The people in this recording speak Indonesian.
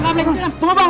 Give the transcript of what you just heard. satu dua tiga lapan